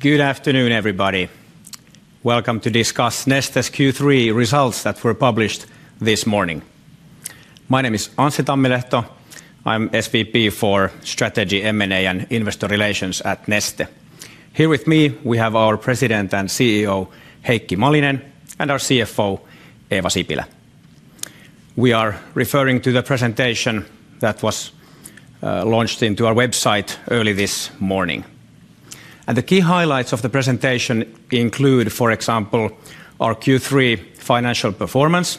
Good afternoon, everybody. Welcome to discuss Neste's Q3 results that were published this morning. My name is Anssi Tammilehto, I'm SVP for Strategy, M&A, and Investor Relations at Neste. Here with me, we have our President and CEO, Heikki Malinen, and our CFO, Eeva Sipilä. We are referring to the presentation that was launched on our website early this morning. The key highlights of the presentation include, for example, our Q3 financial performance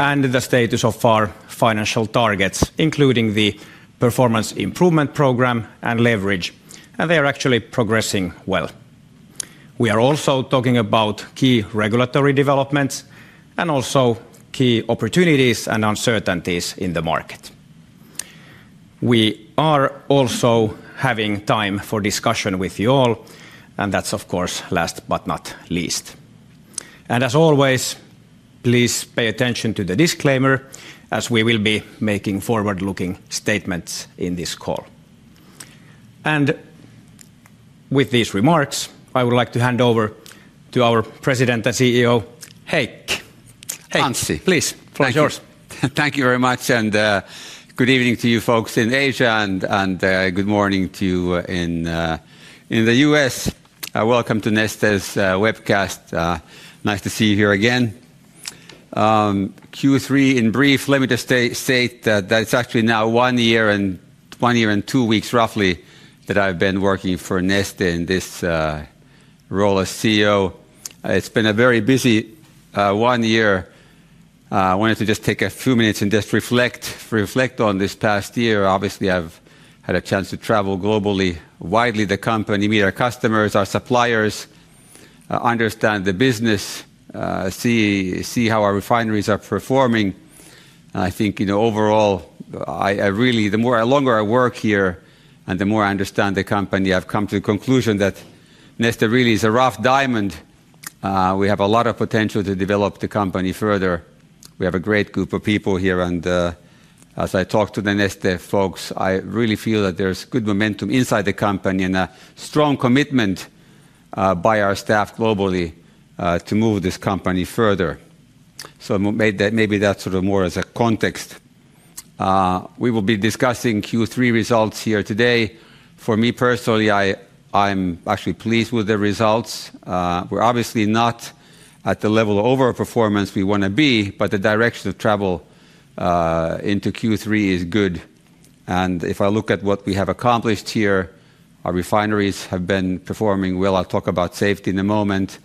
and the status of our financial targets, including the Performance Improvement Programme and Leverage, and they are actually progressing well. We are also talking about key regulatory developments and also key opportunities and uncertainties in the market. We are also having time for discussion with you all, and that's, of course, last but not least. As always, please pay attention to the disclaimer, as we will be making forward-looking statements in this call. With these remarks, I would like to hand over to our President and CEO, Heikki, please. Pleasure. Thank you very much, and good evening to you folks in Asia and good morning to you in the U.S. Welcome to Neste's webcast. Nice to see you here again. Q3, in brief, let me just state that it's actually now one year and one year and two weeks, roughly, that I've been working for Neste in this role as CEO. It's been a very busy one year. I wanted to just take a few minutes and just reflect on this past year. Obviously, I've had a chance to travel globally, widely the company, meet our customers, our suppliers, understand the business, see how our refineries are performing. I think, overall, the longer I work here and the more I understand the company, I've come to the conclusion that Neste really is a rough diamond. We have a lot of potential to develop the company further. We have a great group of people here, and as I talk to the Neste folks, I really feel that there's good momentum inside the company and a strong commitment by our staff globally to move this company further. Maybe that's sort of more as a context. We will be discussing Q3 results here today. For me personally, I'm actually pleased with the results. We're obviously not at the level of overperformance we want to be, but the direction of travel into Q3 is good. If I look at what we have accomplished here, our refineries have been performing well. I'll talk about safety in a moment.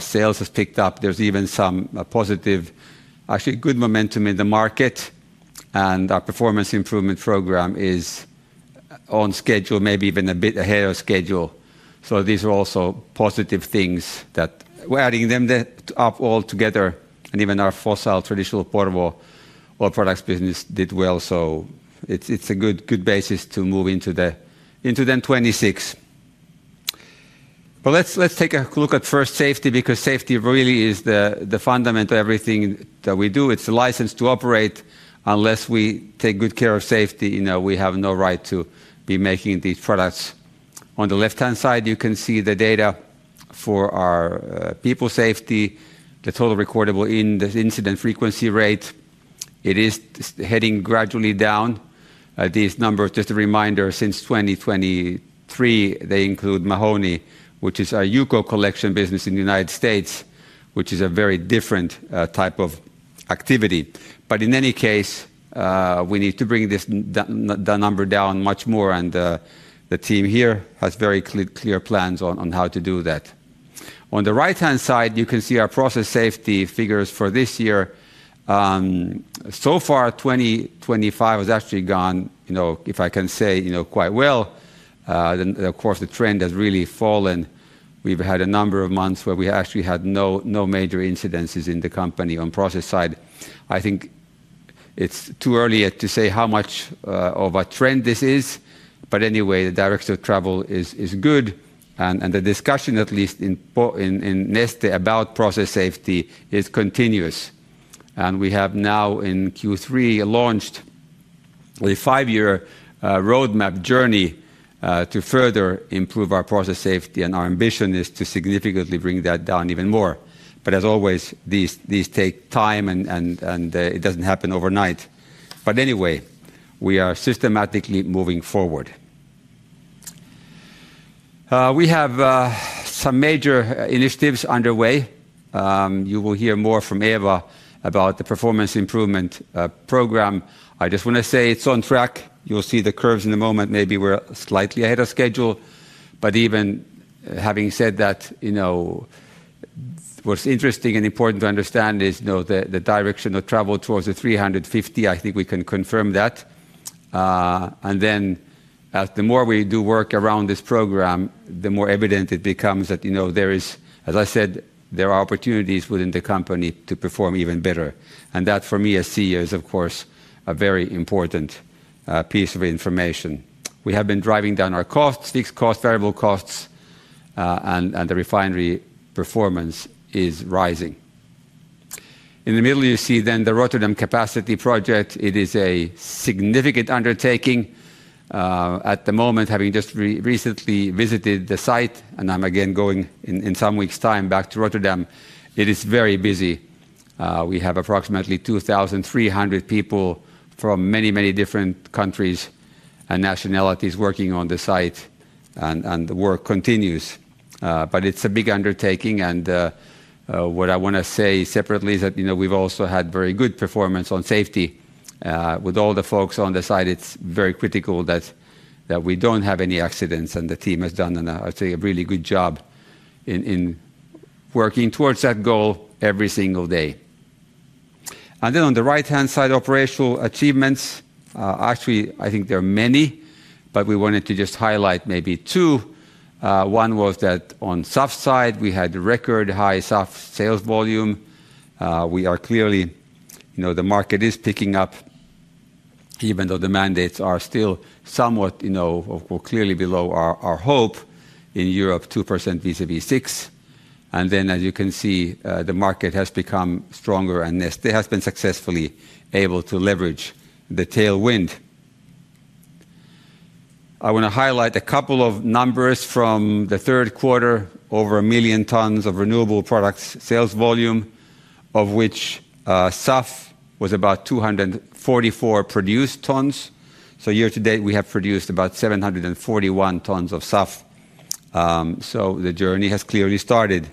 Sales have picked up. There's even some positive, actually good momentum in the market, and our Performance Improvement Programme is on schedule, maybe even a bit ahead of schedule. These are also positive things that we're adding them up all together, and even our fossil traditional portable oil products business did well, so it's a good basis to move into the 2026. Let's take a look at first safety, because safety really is the fundamental of everything that we do. It's a license to operate. Unless we take good care of safety, we have no right to be making these products. On the left-hand side, you can see the data for our people safety, the total recordable incident frequency rate. It is heading gradually down. These numbers, just a reminder, since 2023, they include Mahoney, which is our UCO collection business in the United States, which is a very different type of activity. In any case, we need to bring this number down much more, and the team here has very clear plans on how to do that. On the right-hand side, you can see our process safety figures for this year. So far, 2025 has actually gone, if I can say, quite well. Of course, the trend has really fallen. We've had a number of months where we actually had no major incidences in the company on the process side. I think it's too early to say how much of a trend this is, but anyway, the direction of travel is good, and the discussion, at least in Neste, about process safety is continuous. We have now in Q3 launched a five-year roadmap journey to further improve our process safety, and our ambition is to significantly bring that down even more. As always, these take time, and it doesn't happen overnight. Anyway, we are systematically moving forward. We have some major initiatives underway. You will hear more from Eeva about the Performance Improvement Programme. I just want to say it's on track. You'll see the curves in a moment. Maybe we're slightly ahead of schedule, but even having said that, what's interesting and important to understand is the direction of travel towards the $350 million. I think we can confirm that. As the more we do work around this programme, the more evident it becomes that there is, as I said, there are opportunities within the company to perform even better. That, for me as CEO, is of course a very important piece of information. We have been driving down our costs, fixed costs, variable costs, and the refinery performance is rising. In the middle, you see then the Rotterdam capacity project. It is a significant undertaking. At the moment, having just recently visited the site, and I'm again going in some weeks' time back to Rotterdam, it is very busy. We have approximately 2,300 people from many, many different countries and nationalities working on the site, and the work continues. It's a big undertaking, and what I want to say separately is that we've also had very good performance on safety. With all the folks on the site, it's very critical that we don't have any accidents, and the team has done a really good job in working towards that goal every single day. On the right-hand side, operational achievements. Actually, I think there are many, but we wanted to just highlight maybe two. One was that on the SAF side, we had record high SAF sales volume. We are clearly, the market is picking up, even though the mandates are still somewhat, clearly below our hope in Europe, 2% is 36. As you can see, the market has become stronger, and Neste has been successfully able to leverage the tailwind. I want to highlight a couple of numbers from the third quarter, over a million tons of renewable products sales volume, of which SAF was about 244 produced tons. Year to date, we have produced about 741 tons of SAF. The journey has clearly started.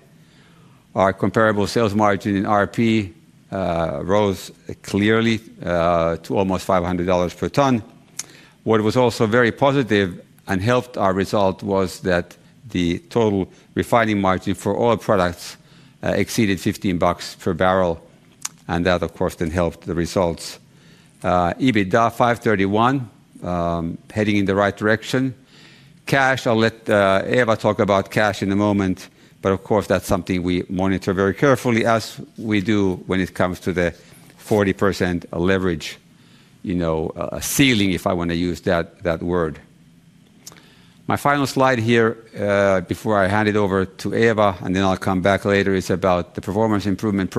Our comparable sales margin in RP rose clearly to almost $500 per ton. What was also very positive and helped our result was that the total refining margin for oil products exceeded $15 per barrel, and that, of course, then helped the results. EBITDA $531 million, heading in the right direction. Cash, I'll let Eeva talk about cash in a moment, but of course, that's something we monitor very carefully, as we do when it comes to the 40% leverage, a ceiling, if I want to use that word. My final slide here before I hand it over to Eeva, and then I'll come back later, is about the Performance Improvement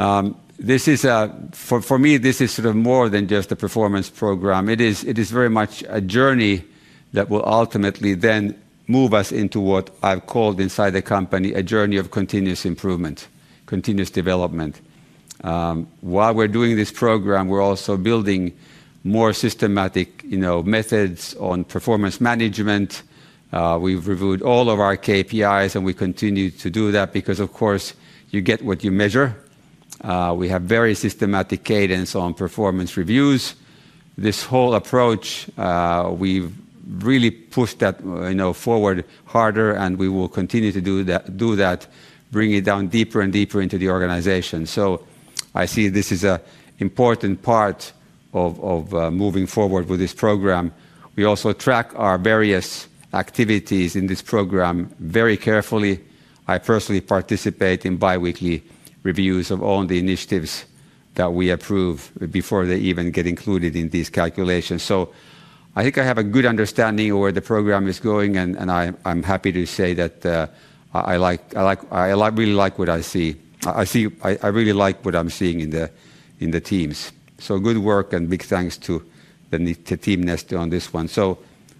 Programme. For me, this is sort of more than just a performance programme. It is very much a journey that will ultimately then move us into what I've called inside the company a journey of continuous improvement, continuous development. While we're doing this programme, we're also building more systematic methods on performance management. We've reviewed all of our KPIs, and we continue to do that because, of course, you get what you measure. We have very systematic cadence on performance reviews. This whole approach, we've really pushed that forward harder, and we will continue to do that, bringing it down deeper and deeper into the organization. I see this is an important part of moving forward with this programme. We also track our various activities in this programme very carefully. I personally participate in biweekly reviews of all the initiatives that we approve before they even get included in these calculations. I think I have a good understanding of where the programme is going, and I'm happy to say that I really like what I see. I really like what I'm seeing in the teams. Good work and big thanks to the team Neste on this one.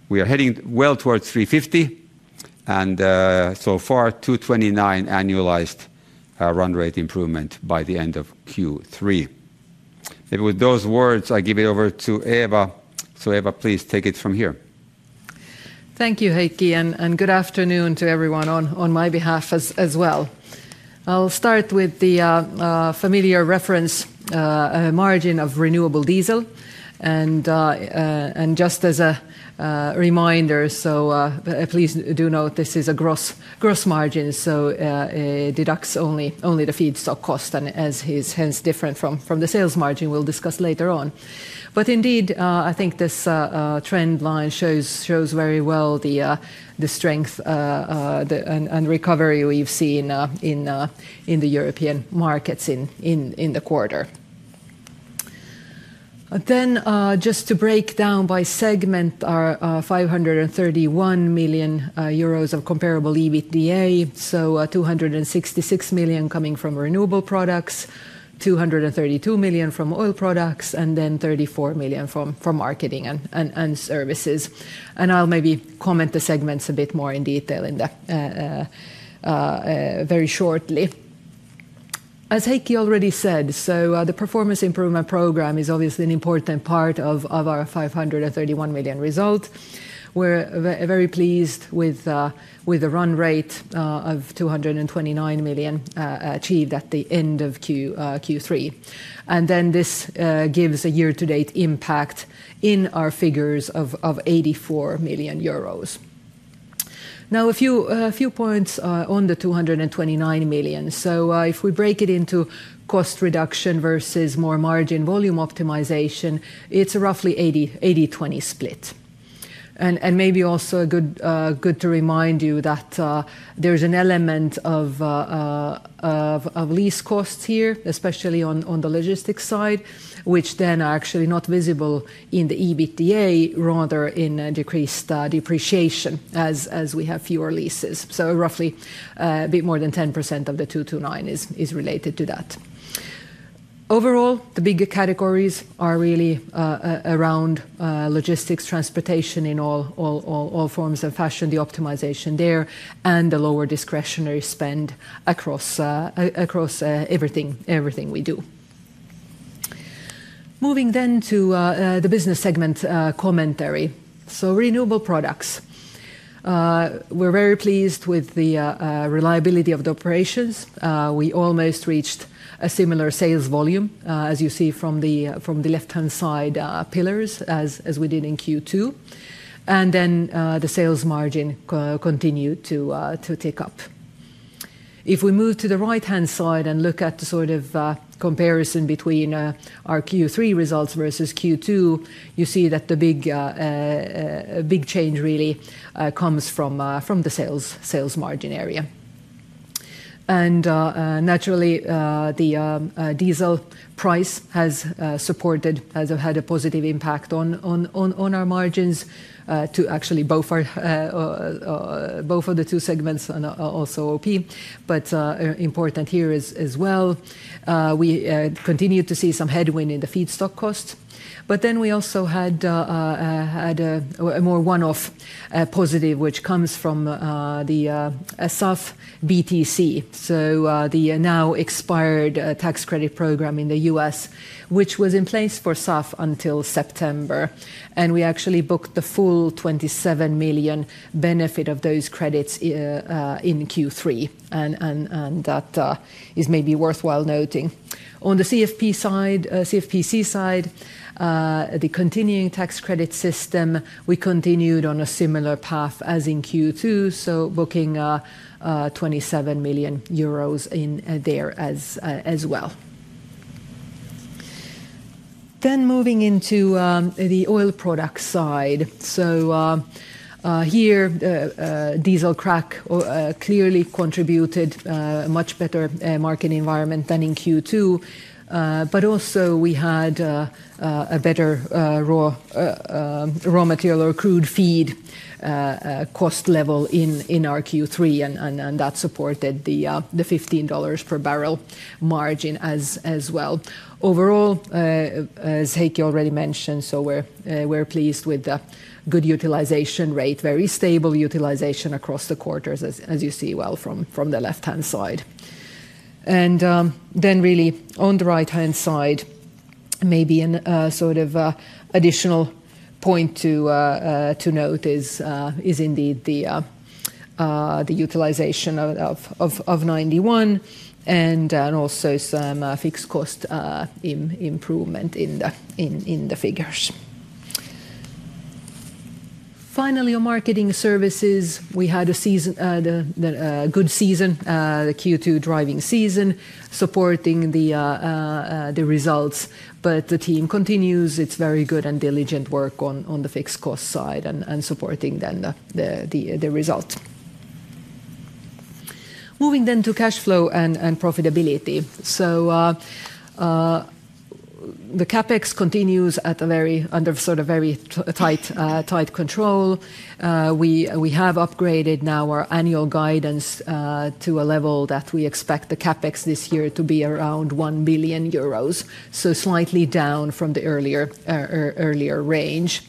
We are heading well towards 350 million, and so far, 229 million annualized run rate improvement by the end of Q3. Maybe with those words, I give it over to Eeva. Eeva, please take it from here. Thank you, Heikki, and good afternoon to everyone on my behalf as well. I'll start with the familiar reference margin of renewable diesel. Just as a reminder, please do note this is a gross margin, deducts only the feedstock cost, and is hence different from the sales margin we'll discuss later on. I think this trend line shows very well the strength and recovery we've seen in the European markets in the quarter. Just to break down by segment, our EURO 531 million of comparable EBITDA, 266 million coming from renewable products, 232 million from oil products, and 34 million from marketing and services. I'll maybe comment the segments a bit more in detail very shortly. As Heikki already said, the Performance Improvement Programme is obviously an important part of our 531 million result. We're very pleased with the run rate of 229 million achieved at the end of Q3. This gives a year-to-date impact in our figures of 84 million euros. Now, a few points on the 229 million. If we break it into cost reduction versus more margin volume optimization, it's a roughly 80/20 split. Maybe also good to remind you that there's an element of lease costs here, especially on the logistics side, which then are actually not visible in the EBITDA, rather in decreased depreciation as we have fewer leases. Roughly a bit more than 10% of the 229 million is related to that. Overall, the bigger categories are really around logistics, transportation in all forms of fashion, the optimization there, and the lower discretionary spend across everything we do. Moving then to the business segment commentary. Renewable products. We're very pleased with the reliability of the operations. We almost reached a similar sales volume, as you see from the left-hand side pillars, as we did in Q2. The sales margin continued to tick up. If we move to the right-hand side and look at the sort of comparison between our Q3 results versus Q2, you see that the big change really comes from the sales margin area. Naturally, the diesel price has supported, has had a positive impact on our margins to actually both the two segments and also oil products. Important here as well, we continue to see some headwind in the feedstock cost. We also had a more one-off positive, which comes from the soft BTC, the now expired tax credit programme in the U.S., which was in place for soft until September. We actually booked the full 27 million benefit of those credits in Q3, and that is maybe worthwhile noting. On the CFPC side, the continuing tax credit system, we continued on a similar path as in Q2, booking EUR 27 million there as well. Moving into the oil products side, diesel crack clearly contributed a much better market environment than in Q2. Also, we had a better raw material or crude feed cost level in our Q3, and that supported the $15 per barrel margin as well. Overall, as Heikki already mentioned, we're pleased with the good utilization rate, very stable utilization across the quarters, as you see well from the left-hand side. On the right-hand side, maybe an additional point to note is indeed the utilization of 91% and also some fixed cost improvement in the figures. Finally, on marketing and services, we had a good season, the Q2 driving season, supporting the results, but the team continues its very good and diligent work on the fixed cost side and supporting then the result. Moving to cash flow and profitability, the CapEx continues under very tight control. We have upgraded now our annual guidance to a level that we expect the CapEx this year to be around 1 billion euros, slightly down from the earlier range.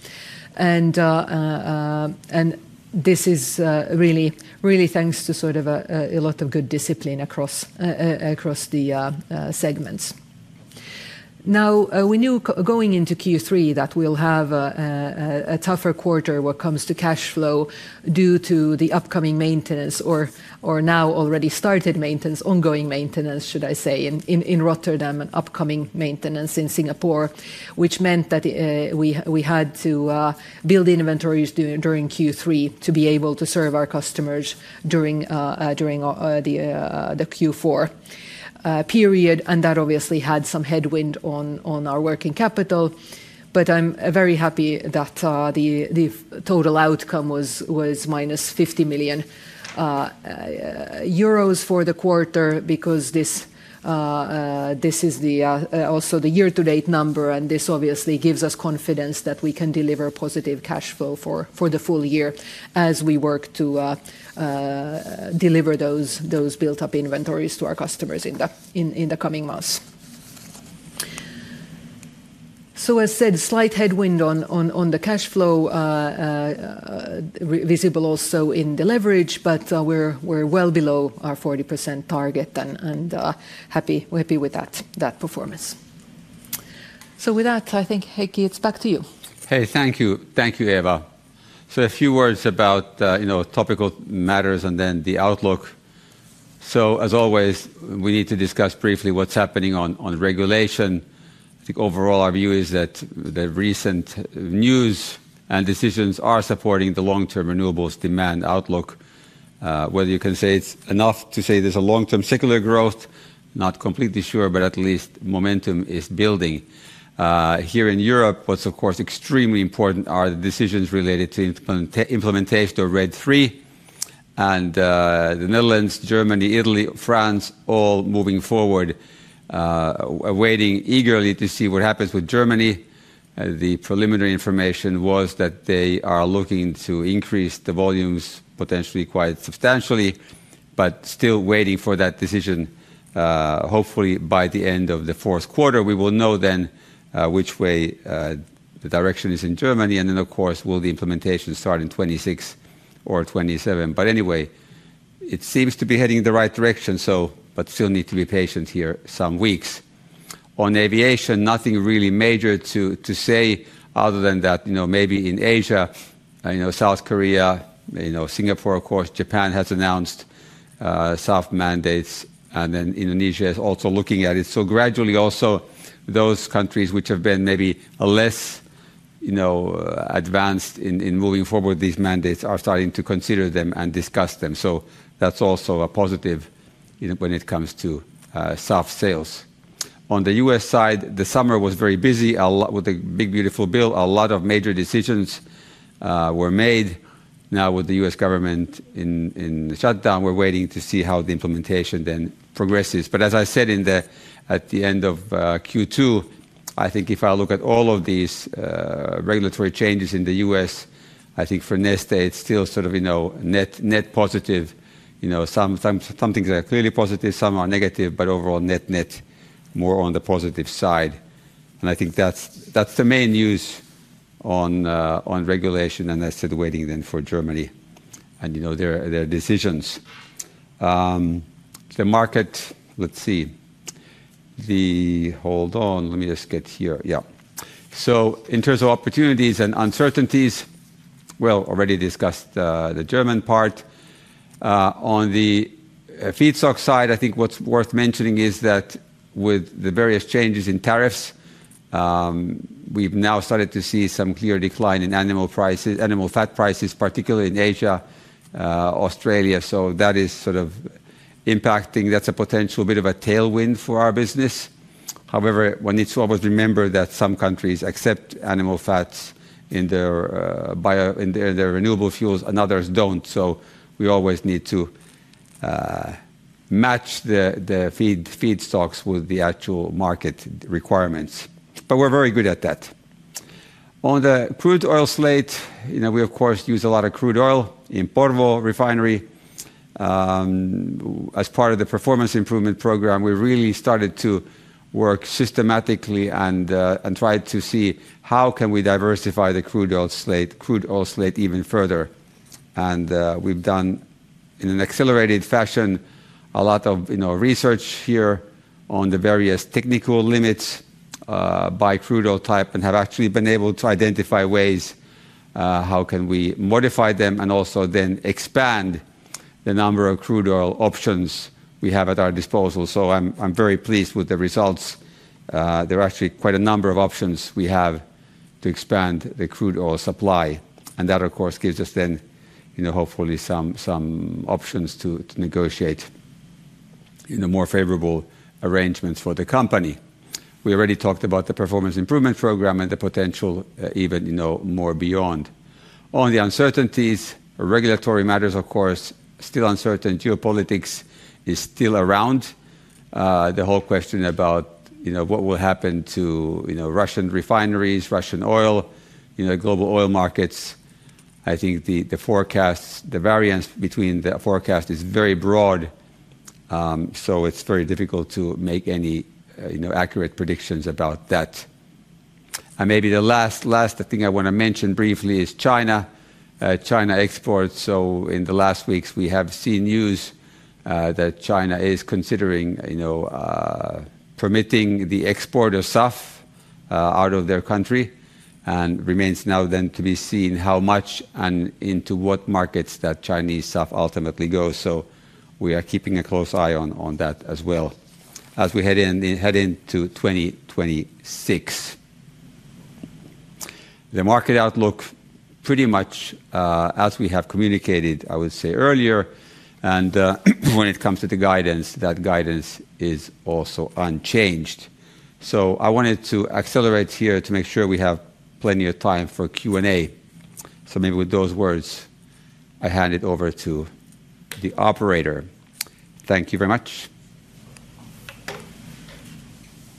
This is really thanks to a lot of good discipline across the segments. We knew going into Q3 that we'll have a tougher quarter when it comes to cash flow due to the upcoming maintenance or now already started maintenance, ongoing maintenance, should I say, in Rotterdam and upcoming maintenance in Singapore, which meant that we had to build inventories during Q3 to be able to serve our customers during the Q4 period, and that obviously had some headwind on our working capital. I'm very happy that the total outcome was minus 50 million euros for the quarter because this is also the year-to-date number, and this obviously gives us confidence that we can deliver positive cash flow for the full year as we work to deliver those built-up inventories to our customers in the coming months. As I said, slight headwind on the cash flow, visible also in the leverage, but we're well below our 40% target and happy with that performance. With that, I think Heikki, it's back to you. Hey, thank you, Eeva. A few words about topical matters and then the outlook. As always, we need to discuss briefly what's happening on regulation. I think overall our view is that the recent news and decisions are supporting the long-term renewables demand outlook. Whether you can say it's enough to say there's a long-term circular growth, not completely sure, but at least momentum is building. Here in Europe, what's of course extremely important are the decisions related to implementation of RED III. The Netherlands, Germany, Italy, France, all moving forward, waiting eagerly to see what happens with Germany. The preliminary information was that they are looking to increase the volumes potentially quite substantially, but still waiting for that decision, hopefully by the end of the fourth quarter. We will know then which way the direction is in Germany, and then of course will the implementation start in 2026 or 2027. Anyway, it seems to be heading in the right direction, but still need to be patient here some weeks. On aviation, nothing really major to say other than that maybe in Asia, South Korea, Singapore, of course, Japan has announced soft mandates, and then Indonesia is also looking at it. Gradually, also those countries which have been maybe less advanced in moving forward with these mandates are starting to consider them and discuss them. That's also a positive when it comes to soft sales. On the U.S. side, the summer was very busy with a big, beautiful bill. A lot of major decisions were made. Now with the U.S. government in shutdown, we're waiting to see how the implementation then progresses. As I said at the end of Q2, I think if I look at all of these regulatory changes in the U.S., I think for Neste it's still sort of net positive. Some things are clearly positive, some are negative, but overall net net more on the positive side. I think that's the main news on regulation, and I said waiting then for Germany and their decisions. The market, let's see. In terms of opportunities and uncertainties, already discussed the German part. On the feedstock side, I think what's worth mentioning is that with the various changes in tariffs, we've now started to see some clear decline in animal fat prices, particularly in Asia, Australia. That is sort of impacting, that's a potential bit of a tailwind for our business. However, one needs to always remember that some countries accept animal fats in their renewable fuels and others don't. We always need to match the feedstocks with the actual market requirements, but we're very good at that. On the crude oil slate, we of course use a lot of crude oil in Porvoo Refinery. As part of the Performance Improvement Programme, we really started to work systematically and tried to see how can we diversify the crude oil slate even further. We've done in an accelerated fashion a lot of research here on the various technical limits by crude oil type and have actually been able to identify ways how can we modify them and also then expand the number of crude oil options we have at our disposal. I'm very pleased with the results. There are actually quite a number of options we have to expand the crude oil supply, and that of course gives us then hopefully some options to negotiate more favorable arrangements for the company. We already talked about the Performance Improvement Programme and the potential even more beyond. On the uncertainties, regulatory matters of course still uncertain. Geopolitics is still around. The whole question about what will happen to Russian refineries, Russian oil, global oil markets, I think the forecasts, the variance between the forecasts is very broad, so it's very difficult to make any accurate predictions about that. Maybe the last thing I want to mention briefly is China. China exports, in the last weeks we have seen news that China is considering permitting the export of soft out of their country, and it remains now then to be seen how much and into what markets that Chinese soft ultimately goes. We are keeping a close eye on that as well as we head into 2026. The market outlook pretty much as we have communicated, I would say earlier, and when it comes to the guidance, that guidance is also unchanged. I wanted to accelerate here to make sure we have plenty of time for Q&A. Maybe with those words, I hand it over to the operator. Thank you very much.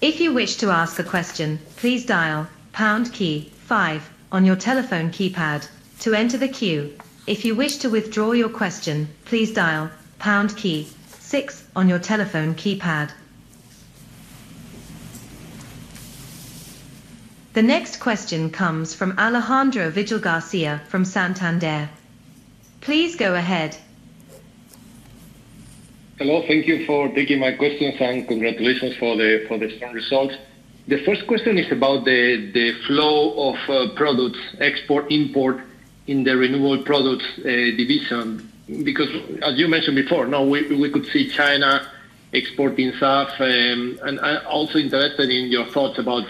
If you wish to ask a question, please dial pound key five on your telephone keypad to enter the queue. If you wish to withdraw your question, please dial pound key six on your telephone keypad. The next question comes from Alejandro Vigil Garcia from Santander. Please go ahead. Hello, thank you for taking my questions and congratulations for the strong results. The first question is about the flow of products, export, import in the renewable products division. Because as you mentioned before, we could see China exporting soft, and I'm also interested in your thoughts about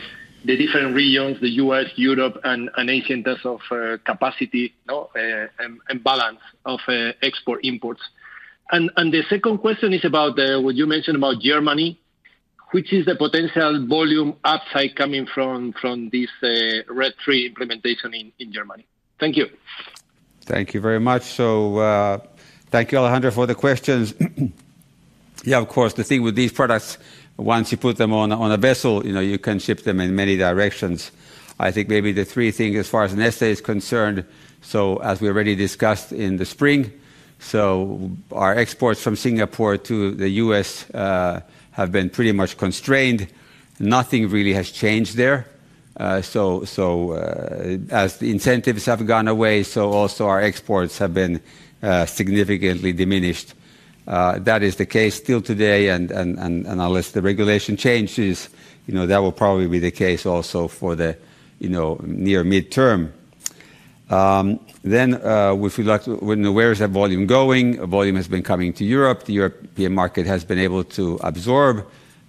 the different regions, the U.S., Europe, and Asia, in terms of capacity and balance of export, imports. The second question is about what you mentioned about Germany, which is the potential volume upside coming from this RED III implementation in Germany. Thank you. Thank you very much. Thank you, Alejandro, for the questions. Yeah, of course, the thing with these products, once you put them on a vessel, you can ship them in many directions. I think maybe the three things as far as Neste is concerned, as we already discussed in the spring, our exports from Singapore to the U.S. have been pretty much constrained. Nothing really has changed there. As the incentives have gone away, so also our exports have been significantly diminished. That is the case still today, and unless the regulation changes, that will probably be the case also for the near mid-term. If we look at where is that volume going, volume has been coming to Europe. The European market has been able to absorb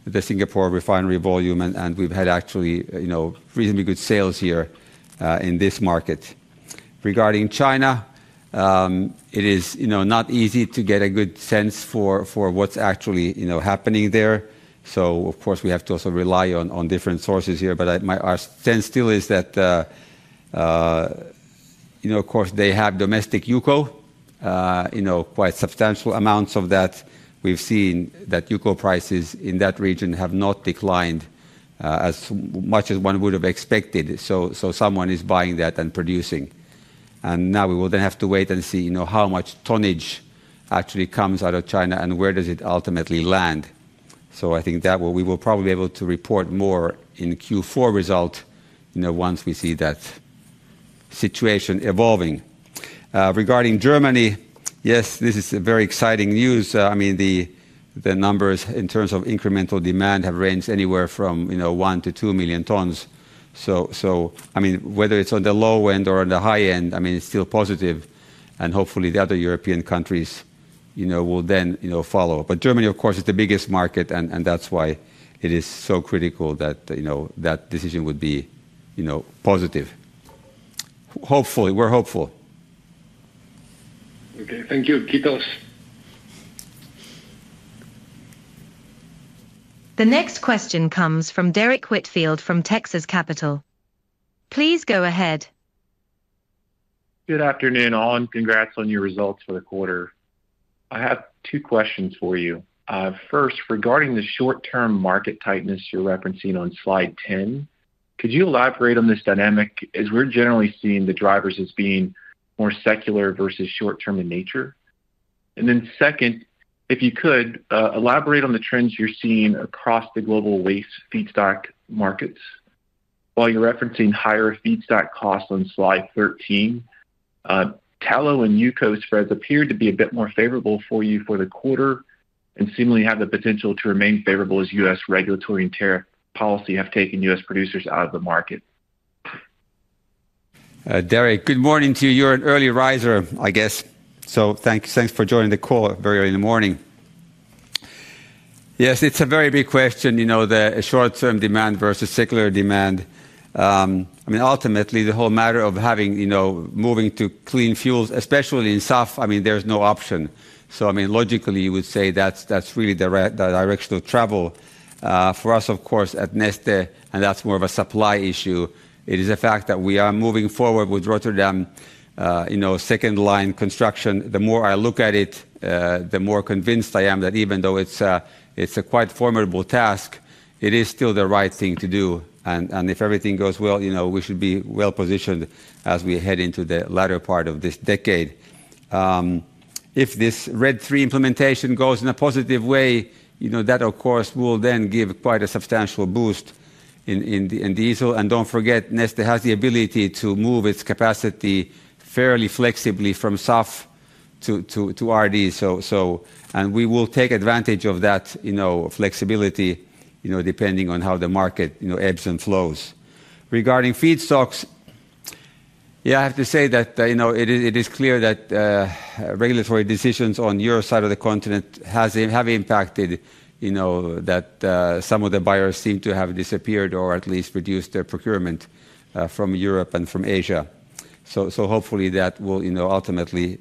the Singapore refinery volume, and we've had actually reasonably good sales here in this market. Regarding China, it is not easy to get a good sense for what's actually happening there. Of course, we have to also rely on different sources here, but our sense still is that of course they have domestic UCO, quite substantial amounts of that. We've seen that UCO prices in that region have not declined as much as one would have expected. Someone is buying that and producing. We will then have to wait and see how much tonnage actually comes out of China and where does it ultimately land. I think that we will probably be able to report more in Q4 result once we see that situation evolving. Regarding Germany, yes, this is very exciting news. The numbers in terms of incremental demand have ranged anywhere from 1 million to 2 million tons. Whether it's on the low end or on the high end, it's still positive, and hopefully the other European countries will then follow. Germany, of course, is the biggest market, and that's why it is so critical that that decision would be positive. We're hopeful. Thank you, kiitos. The next question comes from Derrick Whitfield from Texas Capital. Please go ahead. Good afternoon, all, and congrats on your results for the quarter. I have two questions for you. First, regarding the short-term market tightness you're referencing on slide 10, could you elaborate on this dynamic as we're generally seeing the drivers as being more secular versus short-term in nature? Second, if you could elaborate on the trends you're seeing across the global waste feedstock markets. While you're referencing higher feedstock costs on slide 13, tallow and UCO spreads appear to be a bit more favorable for you for the quarter and seemingly have the potential to remain favorable as U.S. regulatory and tariff policy have taken U.S. producers out of the market. Derrick, good morning to you. You're an early riser, I guess. Thanks for joining the call very early in the morning. Yes, it's a very big question, the short-term demand versus secular demand. Ultimately, the whole matter of moving to clean fuels, especially in SAF, there's no option. Logically, you would say that's really the direction of travel. For us, of course, at Neste, that's more of a supply issue. It is a fact that we are moving forward with Rotterdam second line construction. The more I look at it, the more convinced I am that even though it's a quite formidable task, it is still the right thing to do. If everything goes well, we should be well positioned as we head into the latter part of this decade. If this RED III implementation goes in a positive way, that of course will then give quite a substantial boost in diesel. Don't forget, Neste has the ability to move its capacity fairly flexibly from SAF to renewable diesel. We will take advantage of that flexibility depending on how the market ebbs and flows. Regarding feedstocks, I have to say that it is clear that regulatory decisions on your side of the continent have impacted that some of the buyers seem to have disappeared or at least reduced their procurement from Europe and from Asia. Hopefully, that will ultimately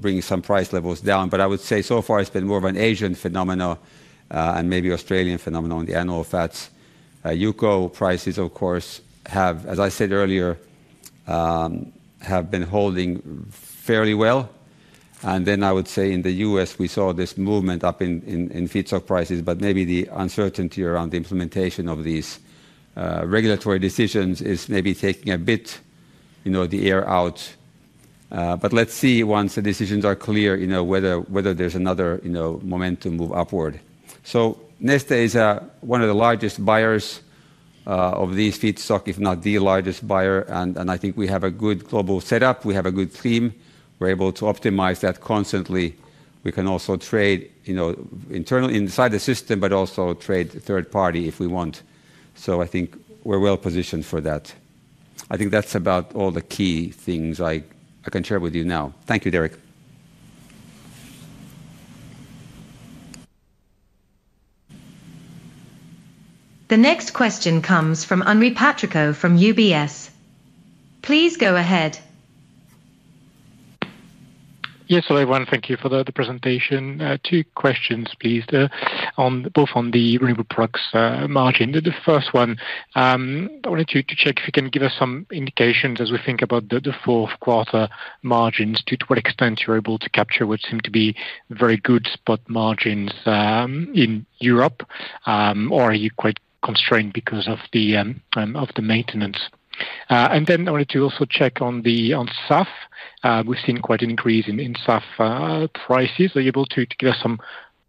bring some price levels down. I would say so far it's been more of an Asian phenomenon and maybe Australian phenomenon on the animal fats. UCO prices, of course, have, as I said earlier, been holding fairly well. I would say in the U.S., we saw this movement up in feedstock prices, but maybe the uncertainty around the implementation of these regulatory decisions is maybe taking a bit the air out. Let's see once the decisions are clear whether there's another momentum move upward. Neste is one of the largest buyers of these feedstocks, if not the largest buyer, and I think we have a good global setup. We have a good team. We're able to optimize that constantly. We can also trade internal inside the system, but also trade third party if we want. I think we're well positioned for that. I think that's about all the key things I can share with you now. Thank you, Derek. The next question comes from Anri Patrico from UBS. Please go ahead. Yes, hello, everyone. Thank you for the presentation. Two questions, please, both on the renewable products margin. The first one, I wanted to check if you can give us some indications as we think about the fourth quarter margins, to what extent you're able to capture what seemed to be very good spot margins in Europe, or are you quite constrained because of the maintenance? I wanted to also check on the soft. We've seen quite an increase in soft prices. Are you able to give us some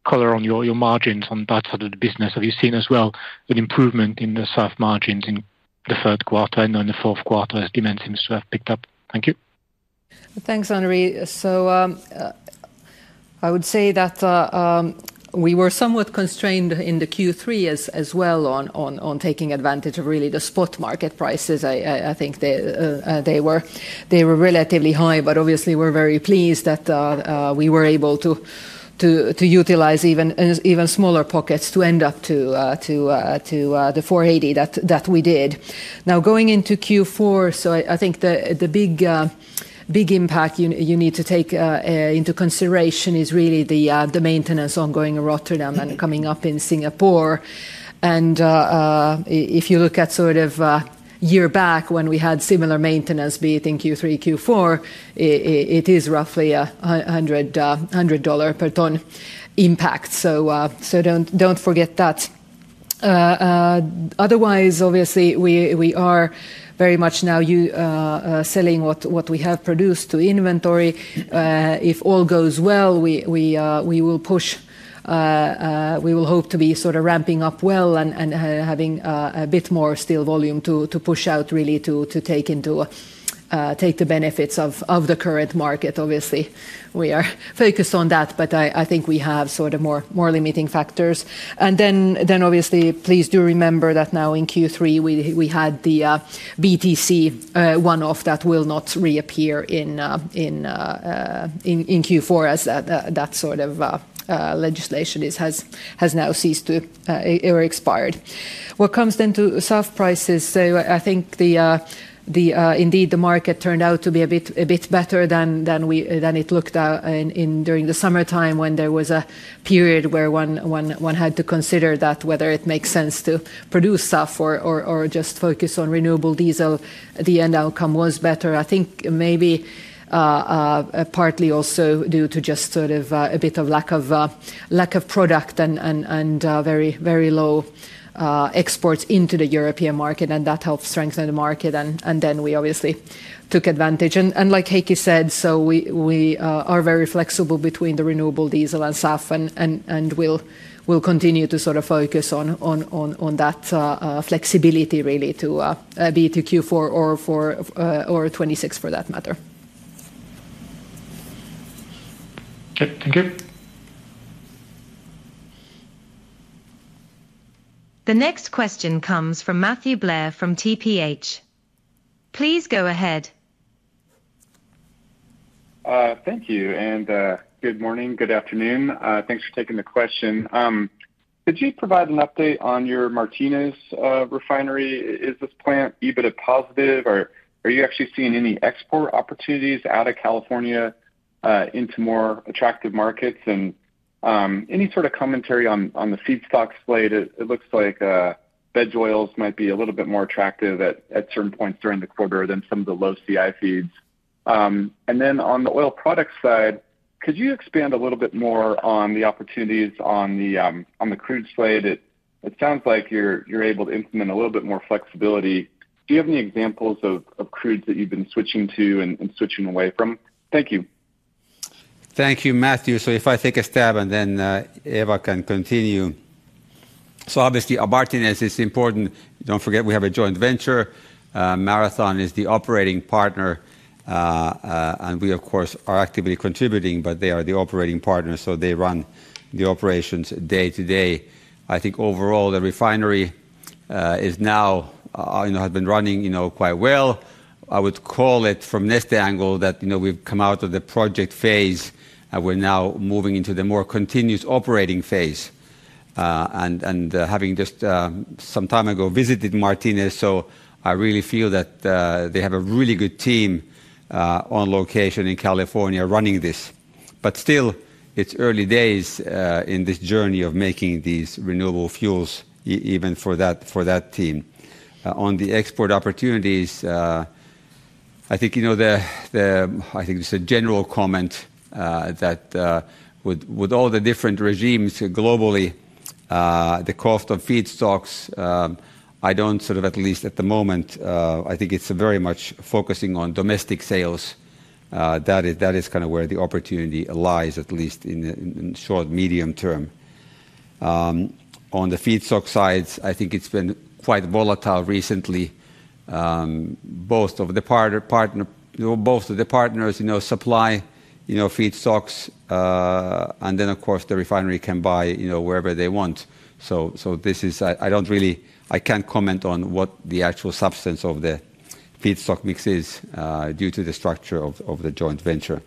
color on your margins on that side of the business? Have you seen as well an improvement in the soft margins in the third quarter and then the fourth quarter as demand seems to have picked up? Thank you. Thanks, Anssi. I would say that we were somewhat constrained in Q3 as well on taking advantage of really the spot market prices. I think they were relatively high, but obviously we're very pleased that we were able to utilize even smaller pockets to end up to the 480 that we did. Now going into Q4, I think the big impact you need to take into consideration is really the maintenance ongoing in Rotterdam and coming up in Singapore. If you look at sort of a year back when we had similar maintenance, be it in Q3 or Q4, it is roughly a $100 per ton impact. Don't forget that. Otherwise, obviously we are very much now selling what we have produced to inventory. If all goes well, we will hope to be ramping up well and having a bit more still volume to push out really to take the benefits of the current market. Obviously, we are focused on that. I think we have more limiting factors. Please do remember that now in Q3 we had the BTC one-off that will not reappear in Q4 as that sort of legislation has now ceased to or expired. What comes then to SAF prices? I think indeed the market turned out to be a bit better than it looked during the summertime when there was a period where one had to consider whether it makes sense to produce SAF or just focus on renewable diesel. The end outcome was better. I think maybe partly also due to just a bit of lack of product and very low exports into the European market, and that helped strengthen the market. We obviously took advantage. Like Heikki said, we are very flexible between the renewable diesel and SAF, and we'll continue to focus on that flexibility really to be to Q4 or 2026 for that matter. Thank you. The next question comes from Matthew Blair from TPH. Please go ahead. Thank you. Good morning, good afternoon. Thanks for taking the question. Could you provide an update on your Martinez refinery? Is this plant EBITDA positive? Are you actually seeing any export opportunities out of California into more attractive markets? Any sort of commentary on the feedstock slate? It looks like veg oils might be a little bit more attractive at certain points during the quarter than some of the low CI feeds. On the oil products side, could you expand a little bit more on the opportunities on the crude slate? It sounds like you're able to implement a little bit more flexibility. Do you have any examples of crudes that you've been switching to and switching away from? Thank you. Thank you, Matthew. If I take a stab and then Eeva can continue. Obviously, Martinez is important. Don't forget we have a joint venture. Marathon is the operating partner, and we of course are actively contributing, but they are the operating partner, so they run the operations day to day. I think overall the refinery has been running quite well. I would call it from Neste angle that we've come out of the project phase, and we're now moving into the more continuous operating phase. Having just some time ago visited Martinez, I really feel that they have a really good team on location in California running this. Still, it's early days in this journey of making these renewable fuels even for that team. On the export opportunities, I think just a general comment that with all the different regimes globally, the cost of feedstocks, I don't at least at the moment, I think it's very much focusing on domestic sales. That is kind of where the opportunity lies, at least in the short, medium term. On the feedstock side, I think it's been quite volatile recently. Both of the partners supply feedstocks, and then of course the refinery can buy wherever they want. I can't comment on what the actual substance of the feedstock mix is due to the structure of the joint venture.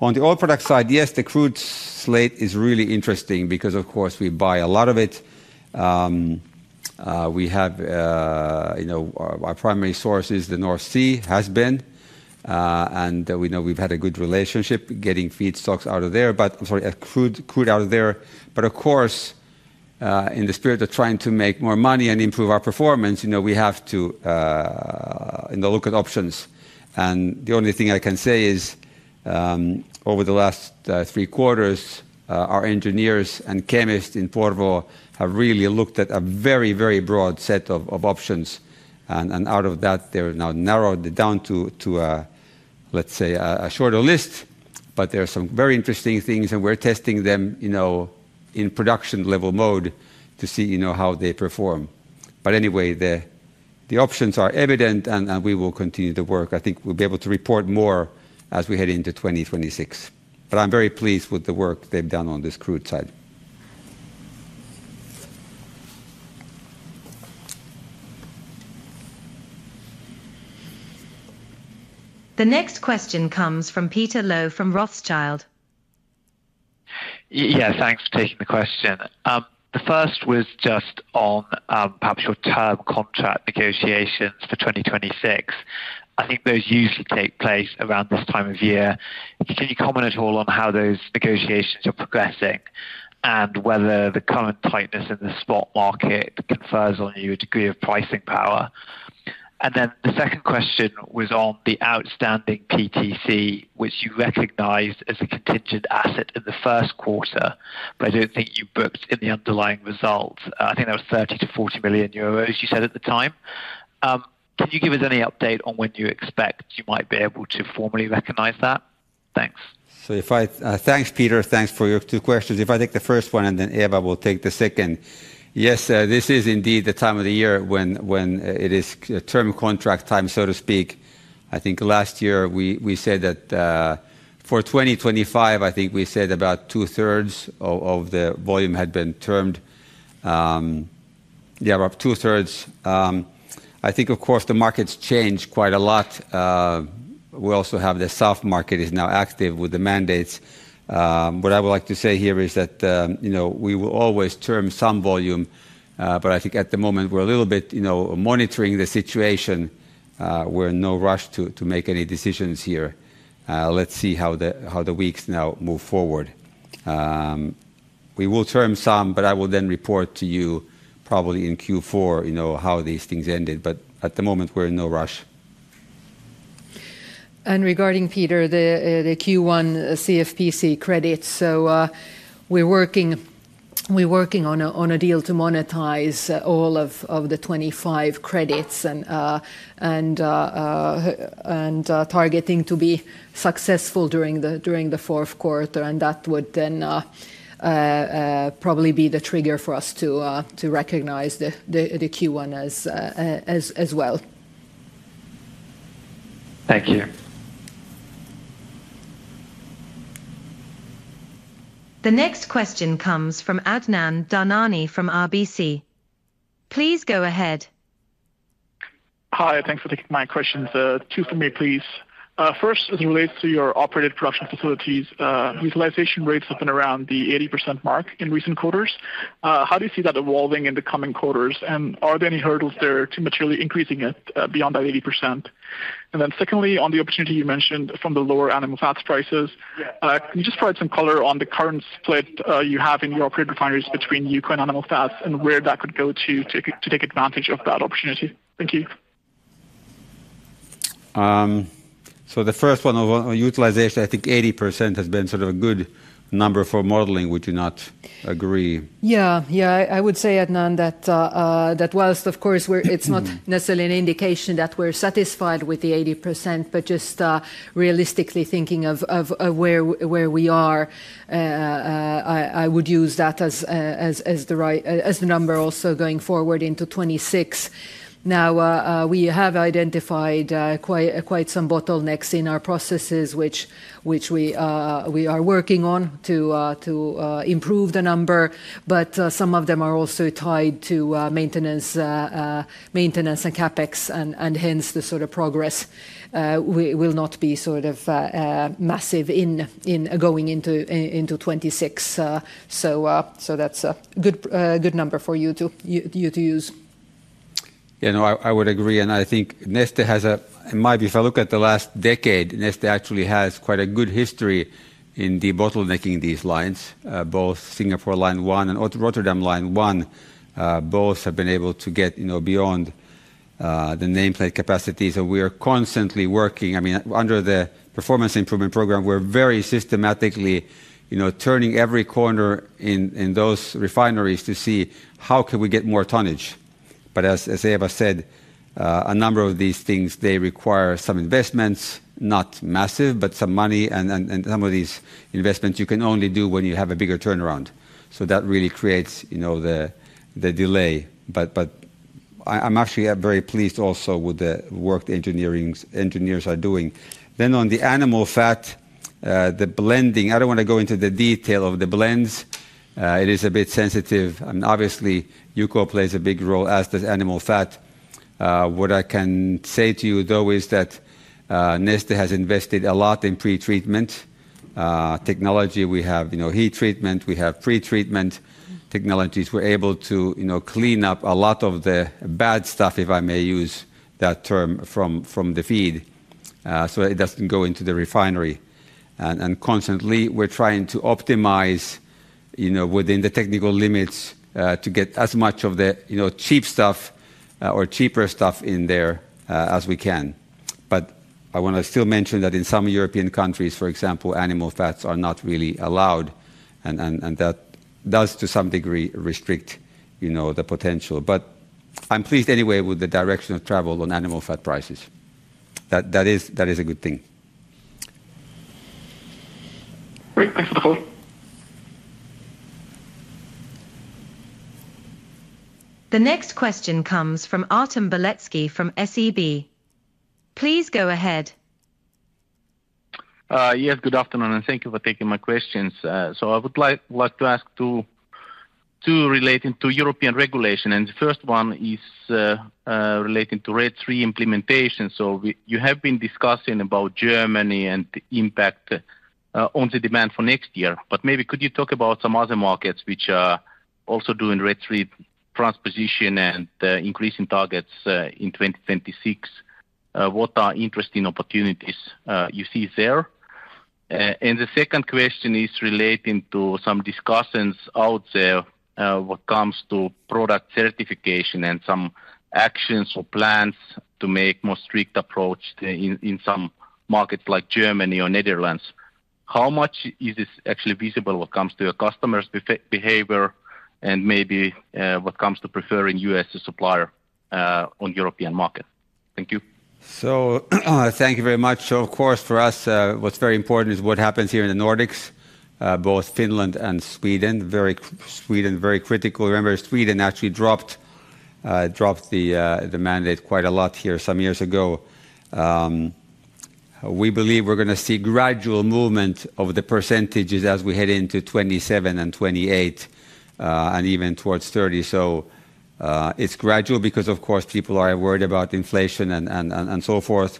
On the oil products side, yes, the crude slate is really interesting because of course we buy a lot of it. Our primary source is the North Sea, has been, and we know we've had a good relationship getting feedstocks out of there, but of course, in the spirit of trying to make more money and improve our performance, we have to look at options. The only thing I can say is over the last three quarters, our engineers and chemists in Porvoo have really looked at a very, very broad set of options, and out of that, they're now narrowed down to a shorter list, but there are some very interesting things, and we're testing them in production level mode to see how they perform. The options are evident, and we will continue the work. I think we'll be able to report more as we head into 2026. I'm very pleased with the work they've done on this crude side. The next question comes from Peter Low from Rothschild. Yes, thanks for taking the question. The first was just on perhaps your term contract negotiations for 2026. I think those usually take place around this time of year. Can you comment at all on how those negotiations are progressing and whether the current tightness in the spot market confers on you a degree of pricing power? The second question was on the outstanding PTC, which you recognized as a contingent asset in the first quarter, but I don't think you booked in the underlying results. I think that was 30 million to 40 million euros, you said at the time. Can you give us any update on when you expect you might be able to formally recognize that? Thanks. Thanks, Peter. Thanks for your two questions. If I take the first one, and then Eeva will take the second. Yes, this is indeed the time of the year when it is term contract time, so to speak. I think last year we said that for 2025, I think we said about two-thirds of the volume had been termed. Yeah, about two-thirds. I think of course the markets change quite a lot. We also have the soft market is now active with the mandates. What I would like to say here is that we will always term some volume, but I think at the moment we're a little bit monitoring the situation. We're in no rush to make any decisions here. Let's see how the weeks now move forward. We will term some, but I will then report to you probably in Q4 how these things ended, but at the moment we're in no rush. Regarding Peter, the Q1 CFPC credits, we're working on a deal to monetize all of the 25 credits and targeting to be successful during the fourth quarter. That would then probably be the trigger for us to recognize the Q1 as well. Thank you. The next question comes from Adnan Dhanani from RBC. Please go ahead. Hi, thanks for taking my questions. Two for me, please. First, as it relates to your operated production facilities, utilization rates have been around the 80% mark in recent quarters. How do you see that evolving in the coming quarters, and are there any hurdles there to materially increasing it beyond that 80%? Secondly, on the opportunity you mentioned from the lower animal fats prices, can you just provide some color on the current split you have in your operated refineries between UCO and animal fats and where that could go to take advantage of that opportunity? Thank you. The first one of utilization, I think 80% has been a good number for modeling. Would you not agree? Yeah, I would say, Adnan, that whilst of course it's not necessarily an indication that we're satisfied with the 80%, but just realistically thinking of where we are, I would use that as the number also going forward into 2026. Now, we have identified quite some bottlenecks in our processes which we are working on to improve the number, but some of them are also tied to maintenance and CapEx, and hence the sort of progress will not be sort of massive in going into 2026. That's a good number for you to use. I would agree, and I think Neste has a, if I look at the last decade, Neste actually has quite a good history in debottlenecking these lines. Both Singapore Line one and Rotterdam Line one have been able to get beyond the nameplate capacities, and we are constantly working. Under the Performance Improvement Programme, we're very systematically turning every corner in those refineries to see how can we get more tonnage. As Eeva said, a number of these things require some investments, not massive, but some money, and some of these investments you can only do when you have a bigger turnaround. That really creates the delay, but I'm actually very pleased also with the work the engineers are doing. On the animal fat, the blending, I don't want to go into the detail of the blends. It is a bit sensitive. Obviously, UCO plays a big role as does animal fat. What I can say to you though is that Neste has invested a lot in pre-treatment technology. We have heat treatment, we have pre-treatment technologies. We're able to clean up a lot of the bad stuff, if I may use that term, from the feed, so it doesn't go into the refinery. Constantly, we're trying to optimize within the technical limits to get as much of the cheap stuff or cheaper stuff in there as we can. I want to still mention that in some European countries, for example, animal fats are not really allowed, and that does to some degree restrict the potential. I'm pleased anyway with the direction of travel on animal fat prices. That is a good thing. Great, thanks for the call. The next question comes from Artem Beletsky from SEB. Please go ahead. Yes, good afternoon, and thank you for taking my questions. I would like to ask two relating to European regulation. The first one is relating to RED III implementation. You have been discussing Germany and the impact on the demand for next year, but maybe could you talk about some other markets which are also doing RED III transposition and increasing targets in 2026? What are interesting opportunities you see there? The second question is relating to some discussions out there when it comes to product certification and some actions or plans to make a more strict approach in some markets like Germany or the Netherlands. How much is this actually visible when it comes to your customers' behavior and maybe when it comes to preferring U.S. supplier on the European market? Thank you. Thank you very much. Of course, for us, what's very important is what happens here in the Nordics, both Finland and Sweden. Sweden is very critical. Remember, Sweden actually dropped the mandate quite a lot here some years ago. We believe we're going to see gradual movement of the percentage as we head into 2027 and 2028 and even towards 2030. It's gradual because of course people are worried about inflation and so forth,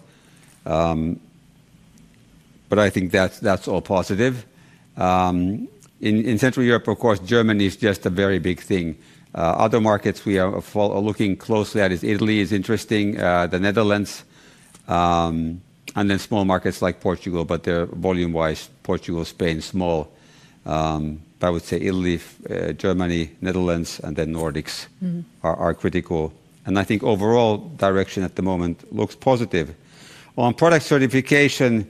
but I think that's all positive. In Central Europe, of course, Germany is just a very big thing. Other markets we are looking closely at, Italy is interesting, the Netherlands, and then small markets like Portugal, but they're volume-wise, Portugal, Spain small. I would say Italy, Germany, Netherlands, and then Nordics are critical. I think overall direction at the moment looks positive. On product certification,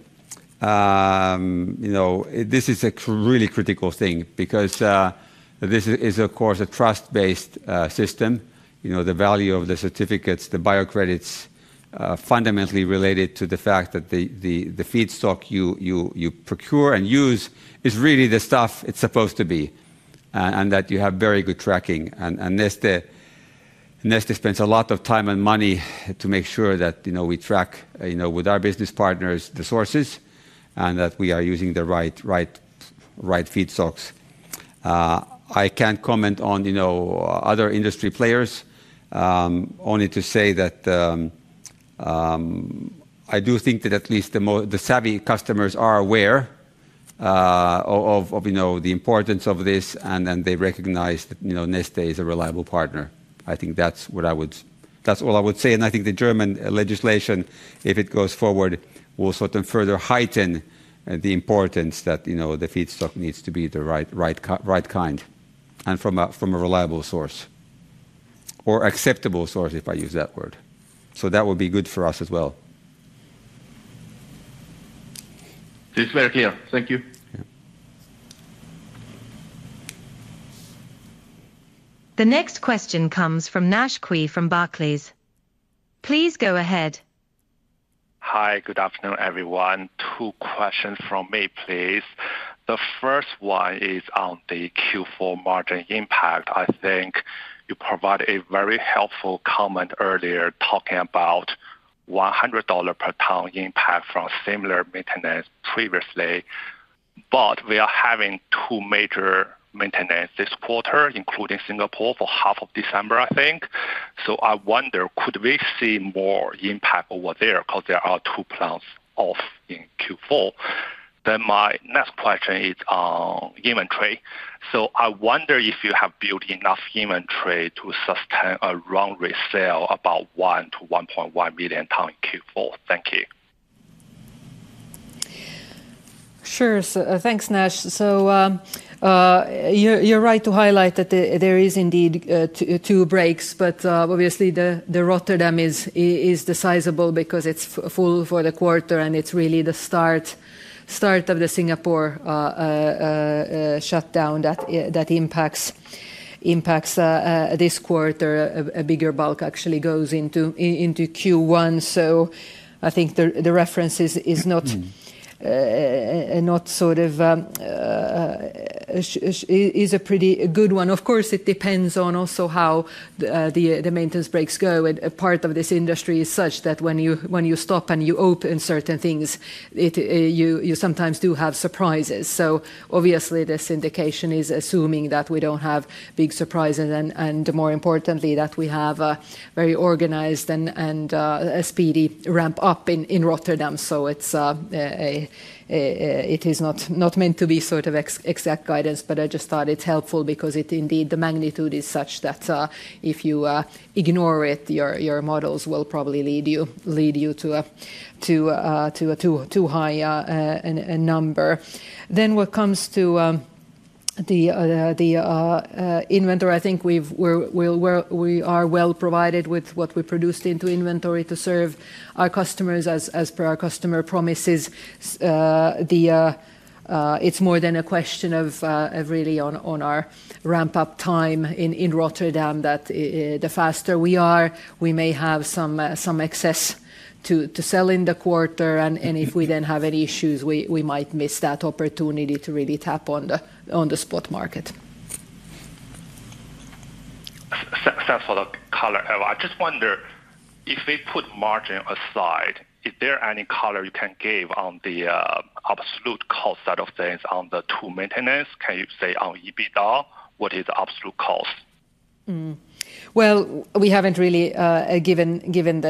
this is a really critical thing because this is of course a trust-based system. The value of the certificates, the biocredits are fundamentally related to the fact that the feedstock you procure and use is really the stuff it's supposed to be and that you have very good tracking. Neste spends a lot of time and money to make sure that we track with our business partners the sources and that we are using the right feedstocks. I can't comment on other industry players, only to say that I do think that at least the savvy customers are aware of the importance of this, and then they recognize that Neste is a reliable partner. I think that's all I would say, and I think the German legislation, if it goes forward, will further heighten the importance that the feedstock needs to be the right kind and from a reliable source or acceptable source, if I use that word. That would be good for us as well. It's very clear. Thank you. The next question comes from [Nashqui] from Barclays. Please go ahead. Hi, good afternoon everyone. Two questions from me, please. The first one is on the Q4 margin impact. I think you provided a very helpful comment earlier talking about $100 per ton impact from similar maintenance previously, but we are having two major maintenances this quarter, including Singapore for half of December, I think. I wonder, could we see more impact over there because there are two plants off in Q4? My next question is on inventory. I wonder if you have built enough inventory to sustain a run rate sale about 1 million to 1.1 million tons in Q4. Thank you. Sure, thanks, Nash. You're right to highlight that there are indeed two breaks, but obviously Rotterdam is the sizable one because it's full for the quarter, and it's really the start of the Singapore shutdown that impacts this quarter. A bigger bulk actually goes into Q1. I think the reference is not sort of a pretty good one. Of course, it depends also on how the maintenance breaks go. Part of this industry is such that when you stop and you open certain things, you sometimes do have surprises. Obviously, this indication is assuming that we don't have big surprises and, more importantly, that we have a very organized and speedy ramp-up in Rotterdam. It is not meant to be sort of exact guidance, but I just thought it's helpful because indeed the magnitude is such that if you ignore it, your models will probably lead you to a too high number. When it comes to the inventory, I think we are well provided with what we produced into inventory to serve our customers as per our customer promises. It's more than a question of really our ramp-up time in Rotterdam; the faster we are, we may have some excess to sell in the quarter, and if we then have any issues, we might miss that opportunity to really tap on the spot market. Successful color. I just wonder if we put margin aside, is there any color you can give on the absolute cost side of things on the two maintenance? Can you say on EBITDA what is the absolute cost? We haven't really given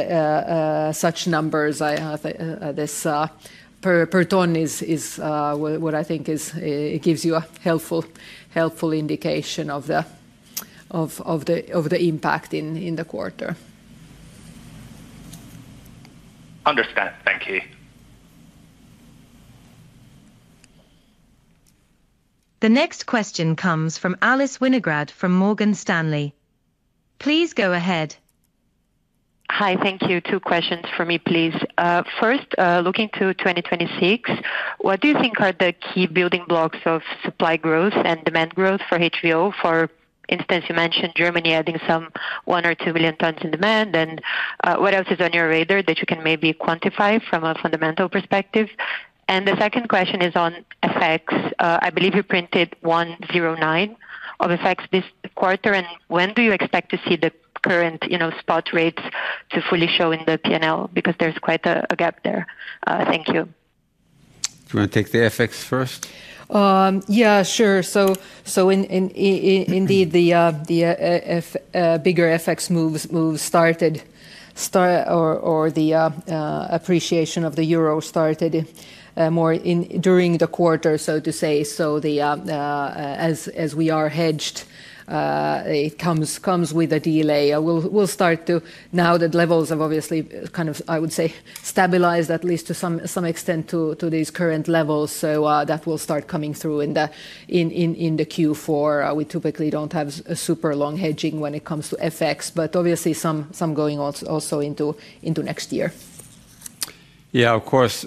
such numbers. This per ton is what I think gives you a helpful indication of the impact in the quarter. Understand. Thank you. The next question comes from Alice Winograd from Morgan Stanley. Please go ahead. Hi, thank you. Two questions for me, please. First, looking to 2026, what do you think are the key building blocks of supply growth and demand growth for HVO? For instance, you mentioned Germany adding some 1 million or 2 million tons in demand, and what else is on your radar that you can maybe quantify from a fundamental perspective? The second question is on FX. I believe you printed 109 million of FX this quarter, and when do you expect to see the current spot rates to fully show in the P&L because there's quite a gap there? Thank you. Do you want to take the FX first? Yeah, sure. Indeed, the bigger FX moves started or the appreciation of the euro started more during the quarter, so to say. As we are hedged, it comes with a delay. We'll start to, now that levels have obviously kind of, I would say, stabilized at least to some extent to these current levels, so that will start coming through in Q4. We typically don't have super long hedging when it comes to FX, but obviously some going also into next year. Yeah, of course,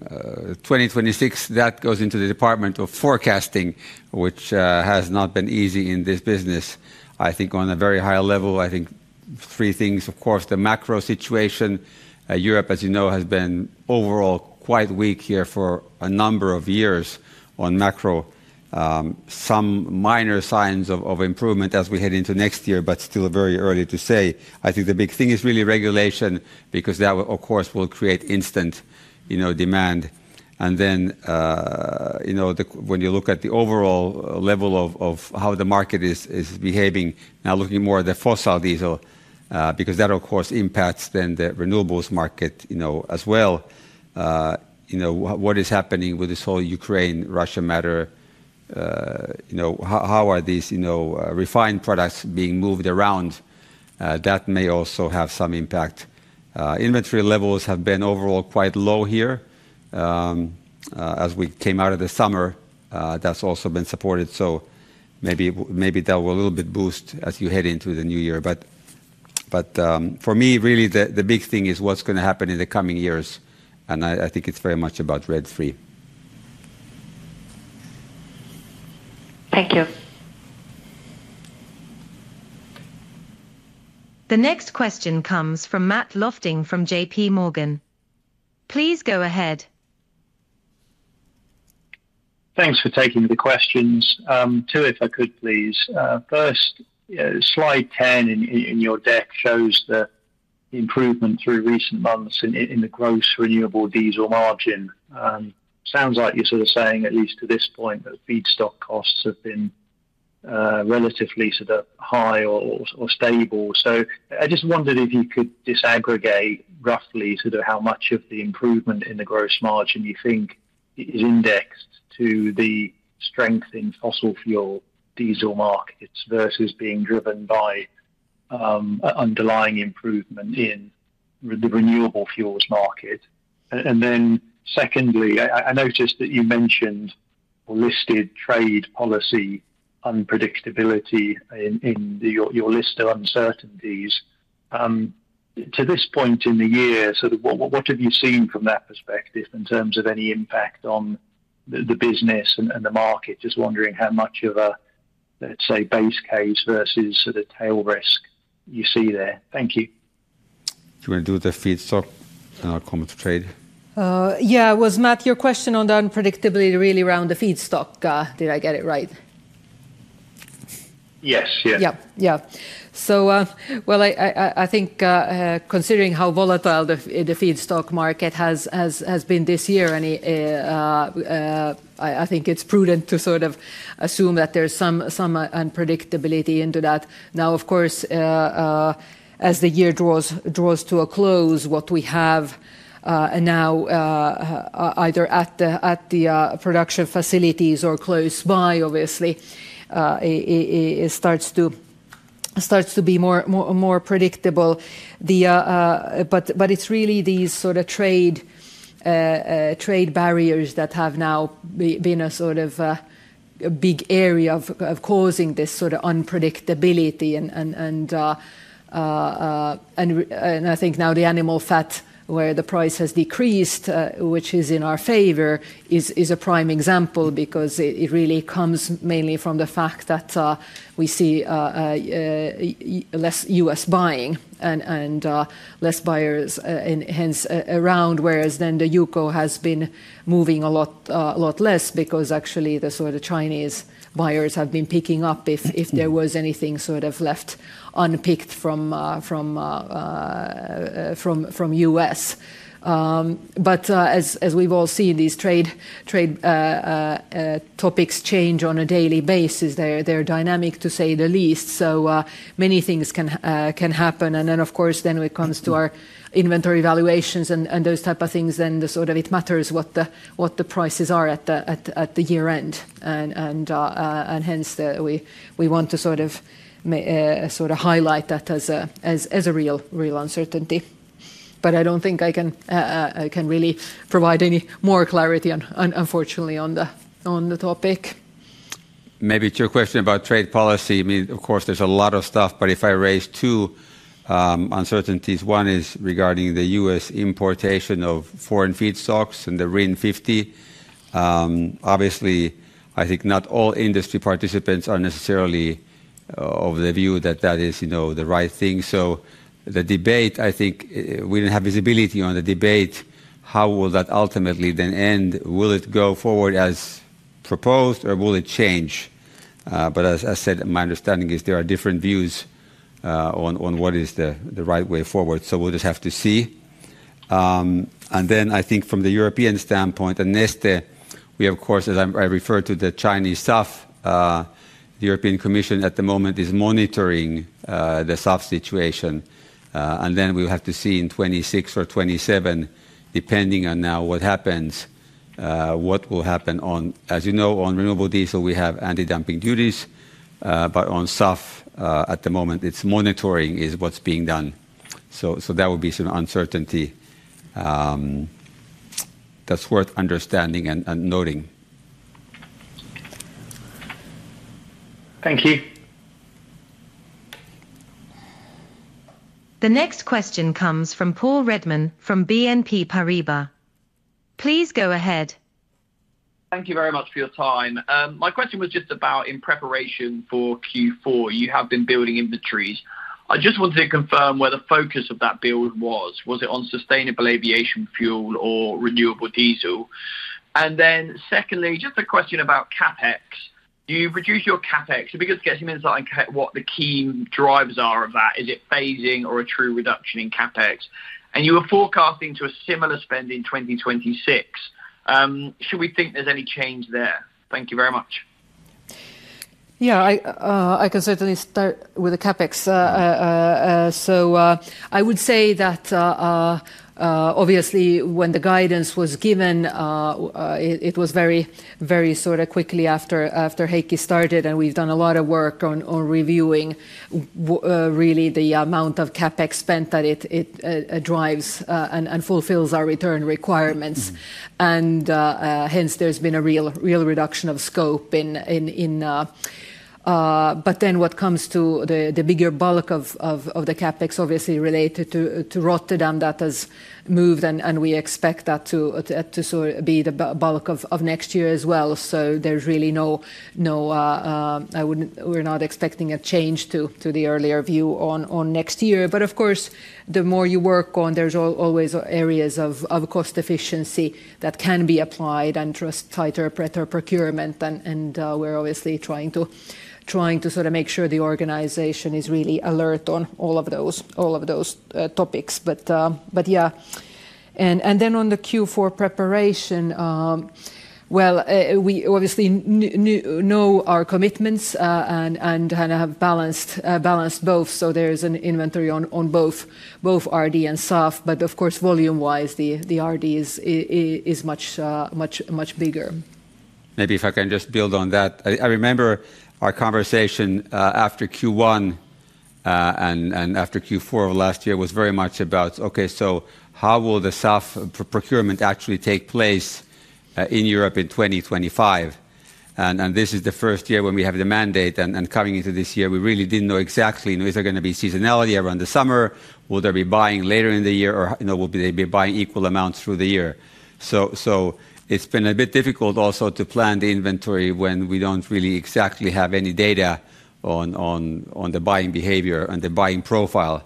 2026, that goes into the department of forecasting, which has not been easy in this business. I think on a very high level, I think three things, of course, the macro situation. Europe, as you know, has been overall quite weak here for a number of years on macro. Some minor signs of improvement as we head into next year, but still very early to say. I think the big thing is really regulation because that, of course, will create instant demand. When you look at the overall level of how the market is behaving, now looking more at the fossil diesel because that, of course, impacts then the renewables market as well. What is happening with this whole Ukraine-Russia matter? How are these refined products being moved around? That may also have some impact. Inventory levels have been overall quite low here as we came out of the summer. That's also been supported, so maybe that will a little bit boost as you head into the new year. For me, really the big thing is what's going to happen in the coming years, and I think it's very much about RED III. Thank you. The next question comes from Matt Lofting from JPMorgan. Please go ahead. Thanks for taking the questions. Two, if I could, please. First, slide 10 in your deck shows the improvement through recent months in the gross renewable diesel margin. Sounds like you're sort of saying, at least to this point, that feedstock costs have been relatively sort of high or stable. I just wondered if you could disaggregate roughly how much of the improvement in the gross margin you think is indexed to the strength in fossil fuel diesel markets versus being driven by underlying improvement in the renewable fuels market. Then secondly, I noticed that you mentioned or listed trade policy unpredictability in your list of uncertainties. To this point in the year, what have you seen from that perspective in terms of any impact on the business and the market? Just wondering how much of a, let's say, base case versus sort of tail risk you see there. Thank you. Do you want to do the feedstock, and I'll comment to trade? Yeah, it was Matt, your question on the unpredictability really around the feedstock. Did I get it right? Yes. Yeah. I think considering how volatile the feedstock market has been this year, I think it's prudent to sort of assume that there's some unpredictability into that. Now, of course, as the year draws to a close, what we have now either at the production facilities or close by obviously starts to be more predictable. It's really these trade barriers that have now been a sort of big area of causing this sort of unpredictability. I think now the animal fat where the price has decreased, which is in our favor, is a prime example because it really comes mainly from the fact that we see less U.S. buying and less buyers hence around, whereas then the UCO has been moving a lot less because actually the Chinese buyers have been picking up if there was anything sort of left unpicked from U.S. As we've all seen, these trade topics change on a daily basis. They're dynamic to say the least. Many things can happen, and then of course it comes to our inventory valuations and those types of things. It matters what the prices are at the year end, and hence we want to sort of highlight that as a real uncertainty. I don't think I can really provide any more clarity, unfortunately, on the topic. Maybe it's your question about trade policy. Of course, there's a lot of stuff, but if I raise two uncertainties, one is regarding the U.S. importation of foreign feedstocks and the RIN 50. Obviously, I think not all industry participants are necessarily of the view that that is the right thing. The debate, I think we didn't have visibility on the debate, how will that ultimately then end, will it go forward as proposed or will it change? As I said, my understanding is there are different views on what is the right way forward, so we'll just have to see. From the European standpoint, Neste, we of course, as I referred to, the Chinese stuff, the European Commission at the moment is monitoring the soft situation. We'll have to see in 2026 or 2027, depending on now what happens, what will happen. As you know, on renewable diesel, we have anti-dumping duties, but on soft at the moment, it's monitoring is what's being done. That would be some uncertainty that's worth understanding and noting. Thank you. The next question comes from Paul Redman from BNP Paribas. Please go ahead. Thank you very much for your time. My question was just about in preparation for Q4, you have been building inventories. I just wanted to confirm where the focus of that build was. Was it on sustainable aviation fuel or renewable diesel? Secondly, just a question about CapEx. You reduced your CapEx. If we could just get some insight into what the key drives are of that, is it phasing or a true reduction in CapEx? You were forecasting to a similar spend in 2026. Should we think there's any change there? Thank you very much. Yeah, I can certainly start with the CapEx. I would say that obviously when the guidance was given, it was very quickly after Heikki started, and we've done a lot of work on reviewing really the amount of CapEx spent that it drives and fulfills our return requirements. Hence, there's been a real reduction of scope. What comes to the bigger bulk of the CapEx obviously related to Rotterdam, that has moved, and we expect that to be the bulk of next year as well. There's really no, we're not expecting a change to the earlier view on next year. Of course, the more you work on, there's always areas of cost efficiency that can be applied and trust tighter pressure procurement. We're obviously trying to make sure the organization is really alert on all of those topics. On the Q4 preparation, we obviously know our commitments and have balanced both. There's an inventory on both renewable diesel and SAF, but of course, volume-wise, the renewable diesel is much, much, much bigger. Maybe if I can just build on that. I remember our conversation after Q1 and after Q4 of last year was very much about, okay, so how will the SAF procurement actually take place in Europe in 2025? This is the first year when we have the mandate, and coming into this year, we really didn't know exactly is there going to be seasonality around the summer? Will there be buying later in the year, or will they be buying equal amounts through the year? It's been a bit difficult also to plan the inventory when we don't really exactly have any data on the buying behavior and the buying profile.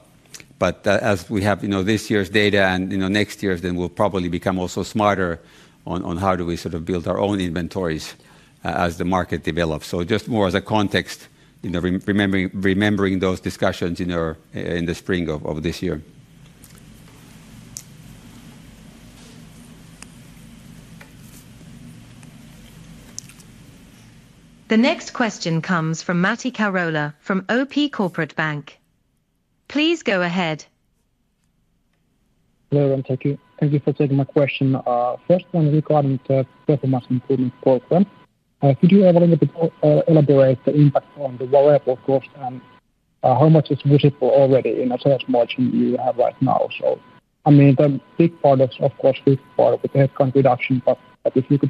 As we have this year's data and next year's, then we'll probably become also smarter on how do we build our own inventories as the market develops. Just more as a context, remembering those discussions in the spring of this year. The next question comes from Matti Lehmus from OP Corporate Bank. Please go ahead. Hello, thank you. Thank you for taking my question. First one regarding the Performance Improvement Programme. Could you elaborate a little bit on the impact on the variable cost and how much is visible already in the sales margin you have right now? I mean, the big part is of course this part with the headcount reduction, but if you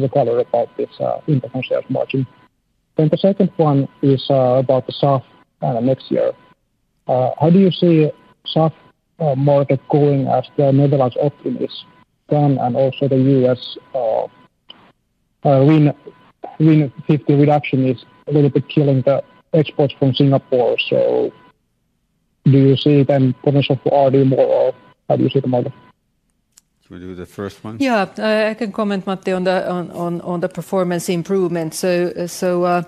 could do a little bit of color about this impact on sales margins. The second one is about the SAF next year. How do you see the SAF market going as the Netherlands opt in this? Also, the U.S. RIN 50 reduction is a little bit killing the exports from Singapore. Do you see then potential for renewable diesel more? How do you see the market? Should we do the first one? Yeah, I can comment, Matthew, on the Performance Improvement Programme.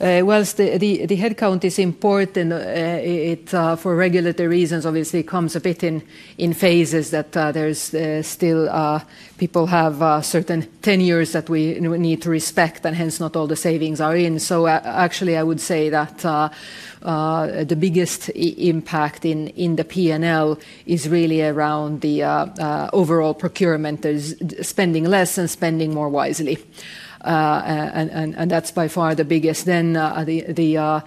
Whilst the headcount is important, it for regulatory reasons obviously comes a bit in phases, that there's still people have certain tenures that we need to respect, and hence not all the savings are in. Actually, I would say that the biggest impact in the P&L is really around the overall procurement. There's spending less and spending more wisely. That's by far the biggest. The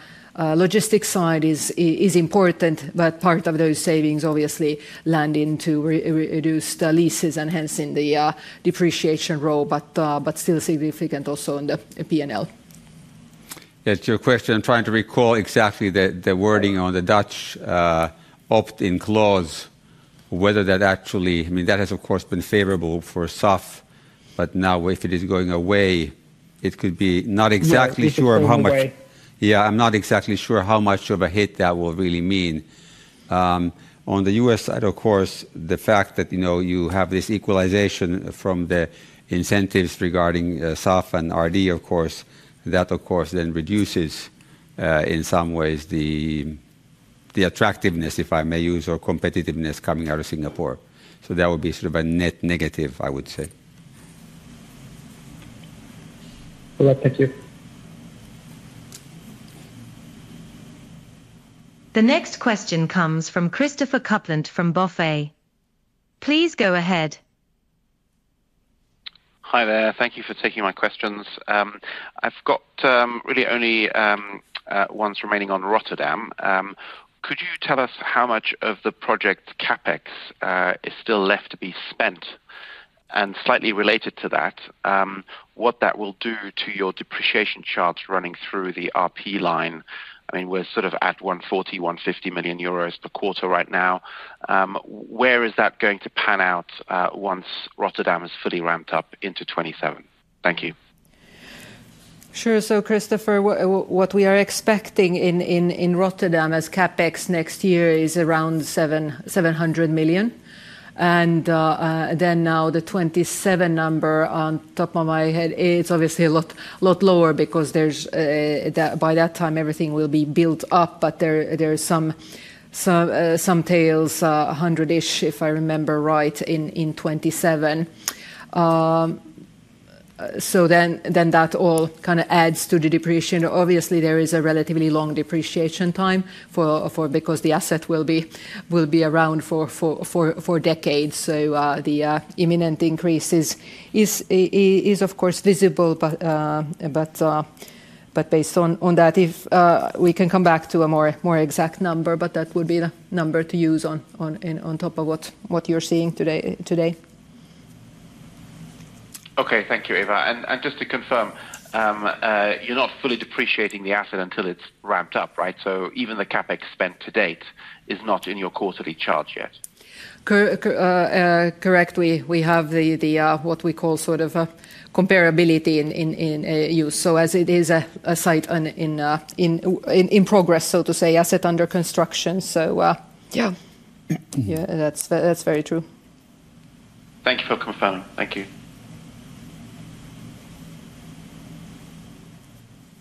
logistics side is important, but part of those savings obviously land into reduced leases and hence in the depreciation role, but still significant also in the P&L. To your question, I'm trying to recall exactly the wording on the Dutch opt-in clause, whether that actually, I mean, that has of course been favorable for SAF, but now if it is going away, it could be not exactly sure of how much. I'm not exactly sure how much of a hit that will really mean. On the U.S. side, of course, the fact that you have this equalization from the incentives regarding SAF and renewable diesel, of course, that of course then reduces in some ways the attractiveness, if I may use, or competitiveness coming out of Singapore. That would be sort of a net negative, I would say. Thank you. The next question comes from Christopher Copeland from BofA. Please go ahead. Hi there, thank you for taking my questions. I've got really. Remaining on Rotterdam, could you tell us how much of the project's CapEx is still left to be spent? Slightly related to that, what will that do to your depreciation charts running through the RP line? I mean, we're sort of at 140 million, 150 million euros per quarter right now. Where is that going to pan out once Rotterdam is fully ramped up into 2027? Thank you. Sure. Christopher, what we are expecting in Rotterdam as CapEx next year is around 700 million. The 2027 number, on top of my head, is obviously a lot lower because by that time everything will be built up, but there are some tails, 100 million-ish if I remember right, in 2027. That all kind of adds to the depreciation. Obviously, there is a relatively long depreciation time because the asset will be around for decades. The imminent increase is, of course, visible, but based on that, we can come back to a more exact number. That would be the number to use on top of what you're seeing today. Thank you, Eva. Just to confirm, you're not fully depreciating the asset until it's ramped up, right? Even the CapEx spent to date is not in your quarterly charge yet? Correct. We have what we call sort of a comparability in use, as it is a site in progress, so to say, asset under construction. Yeah, that's very true. Thank you for confirming. Thank you.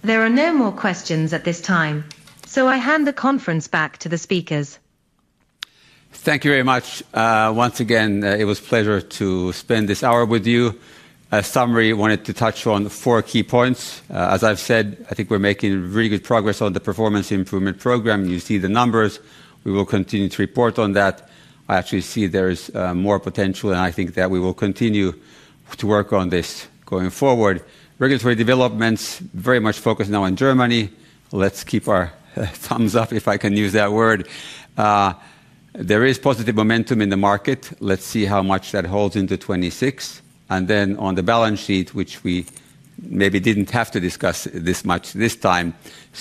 There are no more questions at this time. I hand the conference back to the speakers. Thank you very much. Once again, it was a pleasure to spend this hour with you. A summary, I wanted to touch on four key points. As I've said, I think we're making really good progress on the Performance Improvement Programme. You see the numbers. We will continue to report on that. I actually see there is more potential, and I think that we will continue to work on this going forward. Regulatory developments very much focused now on Germany. Let's keep our thumbs up, if I can use that word. There is positive momentum in the market. Let's see how much that holds into 2026. On the balance sheet, which we maybe didn't have to discuss this much this time,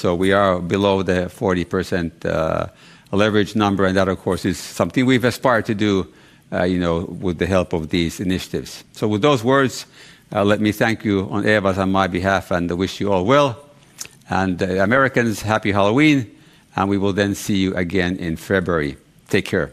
we are below the 40% leverage number, and that, of course, is something we've aspired to do with the help of these initiatives. With those words, let me thank you, Eva, on my behalf, and wish you all well. Americans, happy Halloween, and we will then see you again in February. Take care.